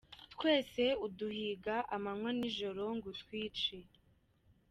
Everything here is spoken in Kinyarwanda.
Twese uduhiga amanywa nijoro ngo utwice.